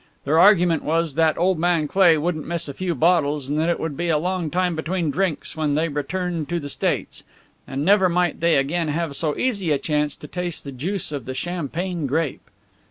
Their argument was that old man Cleigh wouldn't miss a few bottles, and that it would be a long time between drinks when they returned to the States; and never might they again have so easy a chance to taste the juice of the champagne grape.